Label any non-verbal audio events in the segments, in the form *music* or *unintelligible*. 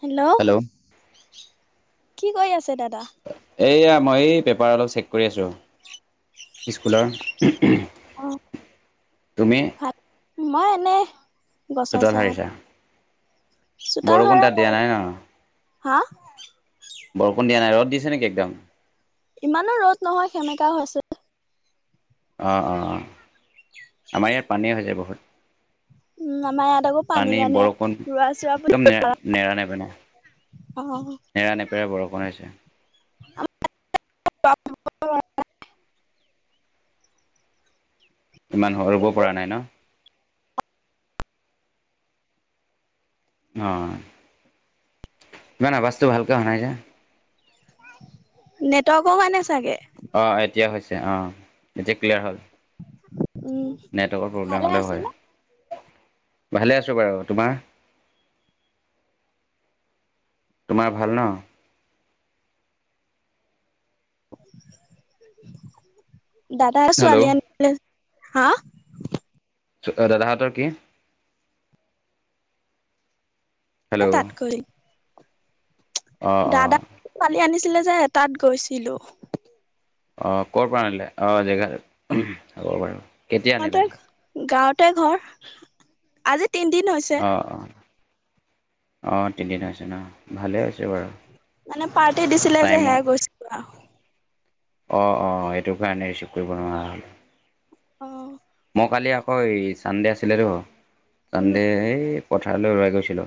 Hello, কি কৈ আছে দাদা? এইয়া মই এই পেপাৰ অলপ চেক কৰি আছোঁ স্কুলৰ। অ তুমি? ভাত মই এনেই। চোতাল সাৰিছা। চোতাল বৰষুণ সাৰা তাত দিয়া হ'ল নাই ন। হা? বৰষুণ দিয়া নাই ৰ'দ দিছে নেকি একদম। ইমানো ৰ'দ নহয় সেমেকাও হৈছে। অ অ আমাৰ ইয়াত পানী হৈ যায় বহুত। উম আমাৰ ইয়াত আকৌ পানীৰ পানী কাৰণে বৰষুণ ৰোৱা চোৱা বুলি একদম নেৰা নেপেনা। অ নেৰা নেপেৰা বৰষুণ হৈছে। *unintelligible* ইমান সব পৰা নাই ন। অ', ন না আৱাজ ভালকে অহা নাই যে। নেটৱৰ্কৰ কাৰণে চাগে। অ এতিয়া হৈছে আহ এতিয়া ক্লিয়াৰ হ'ল। উম নেটৱৰ্কৰ প্ৰব্লেম ভালে হ'লেও আছে ন হয়। ভালে আছো বাৰু তোমাৰ? তোমাৰ ভাল ন। দাদা হেল্ল' ছোৱালী আনি লে হা? দাদাহতৰ কি? এ হেল্ল' তাতকৈ। অঁ অঁ দাদাক কালি আনিছিলে যে তাত গৈছিলো। আহ কৰ'ৰ পৰা নিলে অ জেগা হব বাৰু। কেতিয়া আনিলে গাঁৱতে গাঁৱতে ঘৰ আজি তিনদিন হৈছে অ অ অ তিনিদিন হৈছে ন ভালেই হৈছে বাৰু। মানে পাৰ্টি দিছিলে যে হে গৈছো আও। অ অ সেইটো কাৰণে ৰিচিভ কৰিব নোৱাৰা হ'ল। অ। মই কালি আকৌ এই চানডে আছিলে ৰ উম চানডে এই পথাৰলৈ ওলাই গৈছিলো।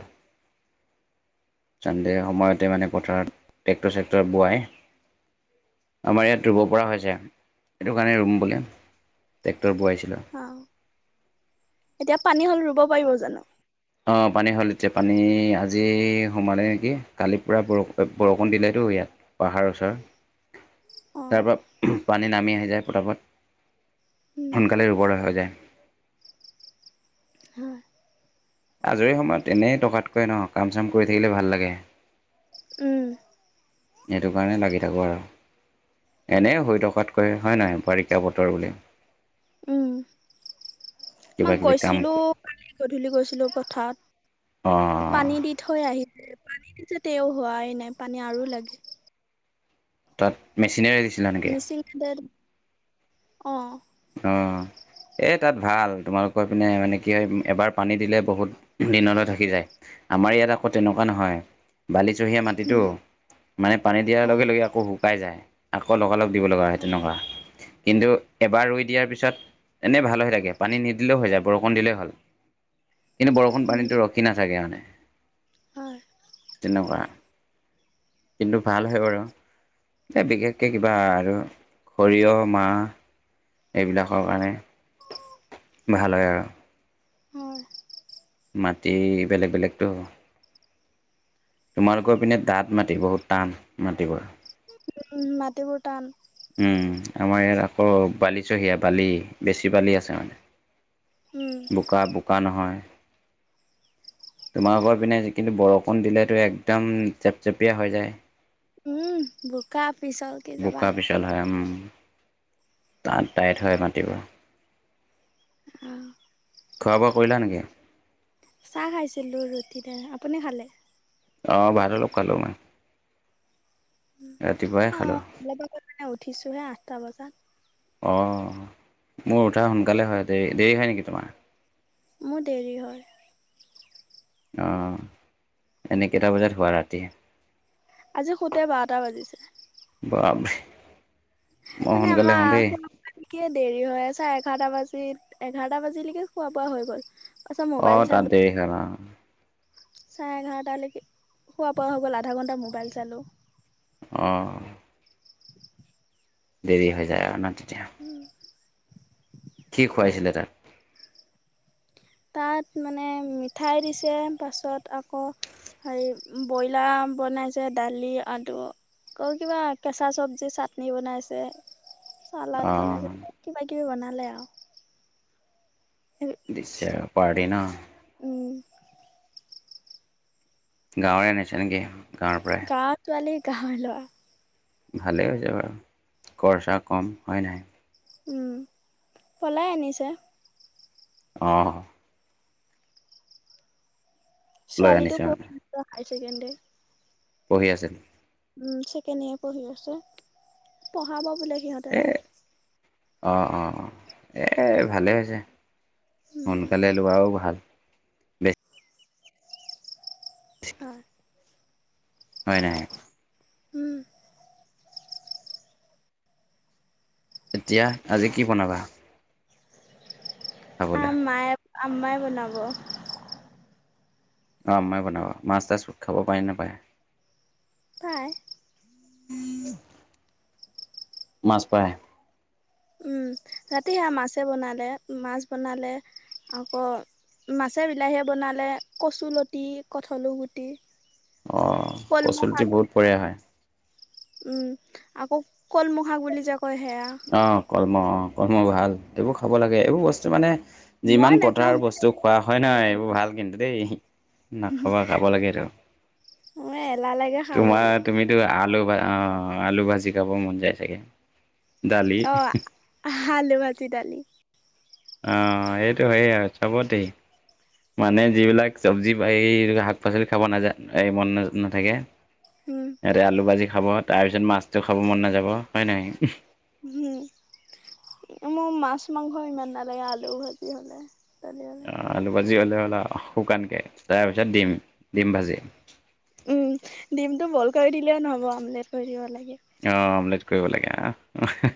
চানডে সময়তে মানে পথাৰত ট্ৰেক্টৰ চেক্টৰ বোৱাই। আমাৰ ইয়াত ৰুব পৰা হৈছে এইটো কাৰণে ৰুম বুলি। ৰ বোৱাইছিলো। অ এতিয়া পানী হ'ল ৰুব পাৰিব জানো? অ পানী হল এতিয়া পানী আজি সোমালে নেকি কালি পুৰা ব বৰষুণ দিলেতো। ইয়াত পাহাৰ ওচৰ। অ তাৰ পৰা পানী নামি আহি যায় পতাপত। উম, সোনকালে ৰুবলৈ হৈ যায়। হয়। আজৰি সময়ত এনেই টকাতকৈ ন কাম চাম কৰি থাকিলে ভাল লাগে। উম। সেইটো কাৰণে লাগি থাকোঁ আৰু। এনে শুই থকাতকৈ হয় নহয় বাৰিষা বতৰ বুলি। উম। কিবা মাক কিবি কাম গৈছিলো গধূলি গৈছিলো পথাৰত। অঁ পানী দি থৈ আহিল পানী দিল তে হোৱাই নাই পানী আৰু লাগে। তাত মেচিনেৰে দিছিলা নেকি? মিচিং অ। অ। এ তাত ভাল তোমালোকৰ পিনে মানে কি হয় এবাৰ পানী দিলে বহুত দিনলৈ থাকি যায়। আমাৰ ইয়াত আকৌ তেনেকুৱা নহয় বালিচ সে মাটিতটো উম, মানে পানী দিয়াৰ হয়, লগে লগে আকৌ শুকাই যায়। আকৌ লগালগ দিব লগা হয় সেইটো নকুৱা কিন্তু এবাৰ ৰুই দিয়াৰ পিছত এনেই ভাল হৈ থাকে পানী নিদিলেও হৈ যায় বৰষুণ দিলে ভাল। কিন্তু বৰষুণ উম, পানীটো ৰখি নাথাকে মানে। *unintelligible* তেনেকুৱা কিন্তু ভাল হয় বাৰু। এ বিশেষকে কিবা আৰু সৰিয়হ, মাহ- এইবিলাকৰ কাৰণে ভাল হয় আৰু অহ। মাটি বেলেগ বেলেগতটো। তোমালোকৰ পিনে দাঁত মাটি বহুত টান মাটিবোৰ। উম, মাটিবোৰ টান। উম, আমাৰ ইয়াত আকৌ বালি চহীয়া। বালি বেছি, বালি আছে মানে উম, বোকা বোকা নহয়। তোমালোকৰ পিনে কিন্তু বৰষুণ দিলেতো একদম চেপ চেপিয়া হৈ যায়। উম বোকা পিছল কি যাবা। তাত টাইত হয় মাটিবোৰ। আহ। খোৱা বোৱা কৰিলা নেকি? চাহ খাইছিলো, ৰুটি আপুনি খালে। অ ভাত অলপ খালো মই। ৰাতিপুৱাই অ খালোঁ মে উঠিছো হে আঠটা বজাত। অ মোৰ উঠা সোনকালে হয় দে দেৰি হয় নেকি তোমাৰ? মোৰ দেৰি হয়। আহ এনে কেইটা বজাত হোৱা ৰাতি? আজি সোতে বাৰটা বাজিছে। বা মানে আমাৰে দেৰি হৈ আছে। তাত এঘাৰটা বাজিত, এঘাৰটা বাজিলৈকে খোৱা-বোৱা হৈ গ'ল। তাৰপিছত অ মোবাইল তাত চালোঁ দেৰি হ'ল অ। চাৰে এঘাৰটালৈকে খোৱা বোৱা হৈ গ'ল আধা ঘণ্টা মোবাইল চালোঁ। আহ। দেৰি হৈ যায় আৰু ন তেতিয়া। কি খুৱাইছিলে তাত? তাত মানে মিঠাই দিছে পাছত আকৌ হে ব্ৰইলাৰ বনাইছে দালি, আলু আ কিবা কেঁচা চবজি চাটনি বনাইছে। চালড অঁ বনাইছে কিবা কিবি বনালে আৰু। দিছে আৰু পাৰ্টি ন। উম গাঁৱৰ নিচে নেকি? গাঁৱৰ পৰাই গাঁৱৰ তোৱালি গাঁৱৰ লৱা। ভালেই হৈছে বাৰু খৰচা কম হয় নাই। উম পলাই আনিছে। আহ লৈ ছোৱালীটো আনিছোঁ মানে পঢ়ি *unintelligible* হায় ছেকেণ্ডাৰী। পঢ়ি আছে। উম, ছেকেণ্ড ইয়েৰ পঢ়ি আছে পঢ়াব বোলে সিহঁতে। অহ অ'-অ' এ ভালেই হৈছে। উম, সোনকালে লোৱাও ভাল। বেছ অ'। হয়, নাই? উম এতিয়া, আজি কি বনাবা? খাবলৈ আই আম্মাই বনাব। অ', *unintelligible* বনাব মাছ, তাছ খাব পায়, নাপায়? পাই। *inaudible* মাছ পায়। উম, ৰাতি সেয়া মাছে বনালে, মাছ বনালে আকৌ মাছে বিলাহীয়ে বনালে কচুলতি কঠাঁল গুটি অঁ কলমৌ কচুলতি শাক বহুত পৰিয়া *unintelligible* হয় উম, আকৌ কলমৌ শাক বুলি যা অ', কলমৌ অ', কলমৌ ভাল, এইবোৰ খাব লাগে এইবোৰ বস্তু মানে যিমান মই পথাৰ নাখাওঁ। বস্তু খোৱা হয়, না এইবোৰ ভাল কিন্তু দেই। নাখাবা খাব লাগেতো। মোৰ এলাহ লাগে তোমাৰ খাবলৈ। তুমিতো আলু অ', আলু ভাজি খাব মন যায় চাগে। দালি অ', আলো ভাজি, দালি। অঁ, সেইটো সেইয়ে আৰু চাব দেই মানে যিবিলাক চব্জি এই শাক পাচলি খাব নাজান এই মন ন-নাথাকে উম, ইয়াতে আলু ভাজি খাব, তাৰপিছত মাছটো খাব মন নাযাব হয়, নাই? হম। মোৰ মাছ মাংস ইমান নালাগে আলু ভাজি হলে দালি হলে আলু ভাজি হ'লে, হ'ল আৰু শুকানকে তাৰ পিছত ডিম, ডিম ভাজি। উম, ডিমটো বইল কৰি দিলেও নহ'ব, আমলেট কৰি দিব লাগে। আহ অমলেট কৰিব লাগে আহ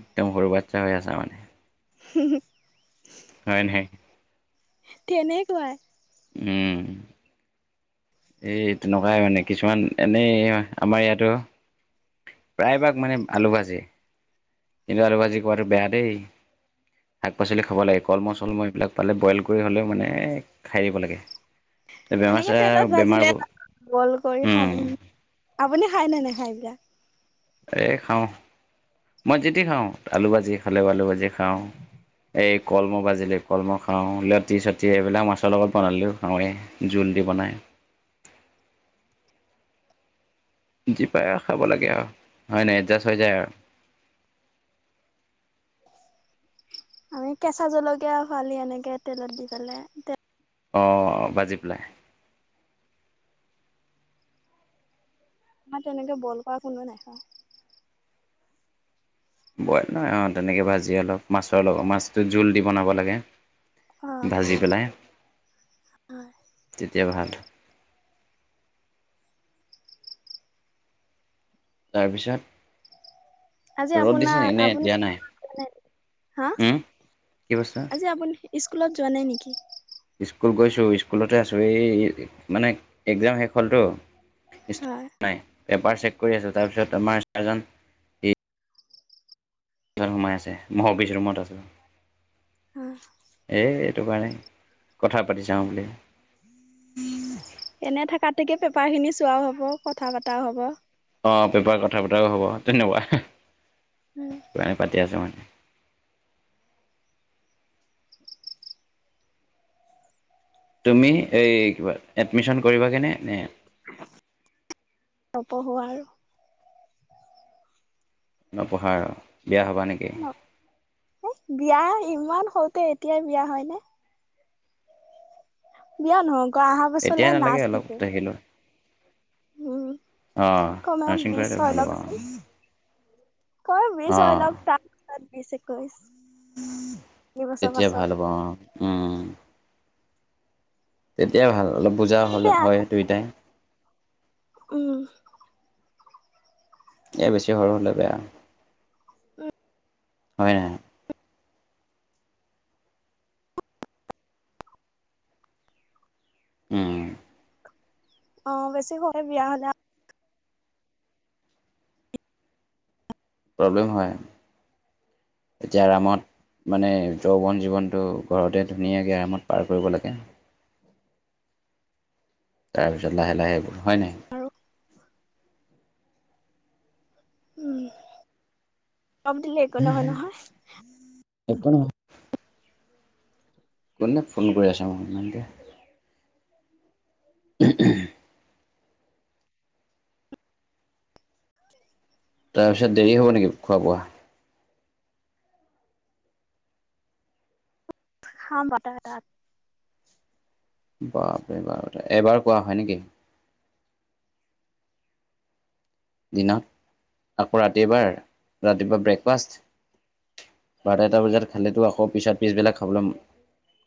একদম সৰু বাচ্ছা হৈ আছা মানে। হো হো অইন হে তেনেকুৱাই উম। এই তেনেকুৱাই মানে কিছুমান এনেই আমাৰ ইয়াতো প্ৰায় ভাগ মানে আলু ভাজে কিন্তু আলু ভাজি খোৱাটো বেয়া দেই শাক পাচলি খাব লাগে কলমো চলমো এইবিলাক পালে বইল কৰি হ'লেও মানে খাই দিব লাগে। *inaudible* এনেকে তেলত চেমাৰ ভাজিলে বেমাৰবোৰ বইল কৰি খাব। উম আপুনি খাইনে নে এইবিলাক? এ খাওঁ মই যিতি খাওঁ আলু ভাজি খালেও আলু ভাজিয়ে খাওঁ। এই কলমো ভাজিলে কলমো খাওঁ লতি চতি এইবিলাক মাছৰ লগত বনালেও খাৱে জোল কিদি বনায়? যি পাই আৰু খাব লাগে আৰু হয় নাই, এডজাষ্ট হৈ যায় আৰু। *inaudible* আমি কেঁচা জলকীয়া ফালি এনেকে তেলত দি পেলাই। আহ, বাজি তেনেকে পেলাই। আমাৰ তেনেকে বইল কৰা কোনো নাখাই। বইল নহয়। অ' তেনেকে ভাজি অলপ মাছৰ লগত, মাছটো জুল দি বনাব লাগে। অ', ভাজি পেলাই হয়। তেতিয়া ভাল। তাৰপিছত? আজি ৰ'দ আপোনাৰ দিছে নেকি? নে আপুনি দিয়া নাই হা উ। আজি আপুনি স্কুলত যোৱা নাই নেকি? স্কুল গৈছোঁ। স্কুলতে আছোঁ। এই মানে একজাম শেষ হ'লতো। ইচ হয়, নাই। পেপাৰ চেক কৰি আছোঁ। তাৰপিছত আমাৰ চাৰজন, ই। কিহত সোমাই আছে? মই অফিচ ৰুমত আছোঁ। উ। এ এটো কাৰণে কথা পাতি চাওঁ বুলি। গতিকে পেপাৰ খিনি চোৱাও হ'ব, কথা পাতাও হ'ব। অ' পেপাৰ কথা বতৱাও হ'ব তেনেকুৱা। মাই পাতি আছে মানে। তুমি এই কিবা এডমিশন কইবাগে নে, নে নপঢ়ো আৰু। নপঢ়াৰ। বিয়া ইমান সৰুতে, এতিয়াই বিয়া হয় নে? বিয়া নহয় গ আহা বছলে এতিয়াই নাচ শিকিম। উম, আহ, কমেও নাৰছিং বিশ কৰিলে ভাল হব। কই মিচ হৈ অঁ লক তাপা বিছ, একৈছ। তেতিয়া ভাল হ'ব অ', উ। তিয়া ভাল অলপ বুজা হ'ল, হয় দুইটাই। উ। এ বেছি সৰু হ'লে বেয়া। হয় নাই। উম। অ' বেছি সৰুতে বিয়া হ'লা। প্ৰব্লেম হয়, এতিয়া আৰামত মানে যৌৱন জীৱনটো ঘৰতে ধুনীয়াকে আৰামত পাৰ কৰিব লাগে। তাৰপিছত লাহে লাহে হয় নাই? আৰু। উ চব দিলে একো নহয় নহয়। একো নহয়। কোনে ফোন কৰি আছে মো ইমানকে। *unintelligible* তাৰপিছত দেৰি হ'ব নেকি খোৱা বোৱা? খাম *unintelligible* বাপে বাৰ এবাৰ খোৱা হয় নে কি? দিনত, আকৌ ৰাতি এবাৰ, ৰাতিপুৱা ব্ৰেকফাষ্ট বাৰটা-এটা বজাত খালেতো আকৌ পিছত পিছবেলাক খাবলৈ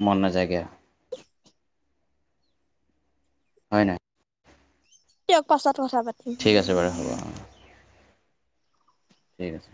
মন নাযায়গে। হয় নে? তেওঁক পাছত কথা পাতিম। ঠিক আছে বাৰু হ'ব অঁ। ঠিক আছে।